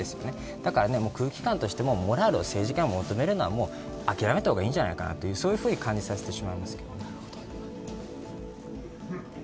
だから空気感としてモラルを政治家に求めるのは諦めた方がいいんじゃないかと感じますけどね。